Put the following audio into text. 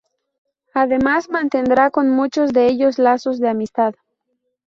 Además mantendrá con muchos de ellos lazos de amistad.